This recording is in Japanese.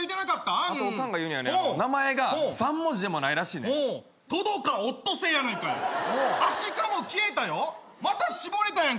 あとオカンが言うにはね名前が３文字でもないらしいねんトドやオットセイやないかいアシカも消えたよまた絞れたやん